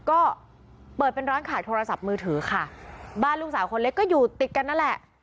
ก็เปิดเป็นร้านขายโทรศัพท์มือถือค่ะบ้านลูกสาวคนเล็กก็อยู่ติดกันนั่นแหละ